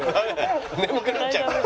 眠くなっちゃうから。